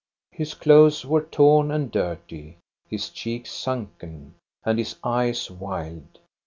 His clothes were torn and dirty, his cheeks sunken, and his eyes wild.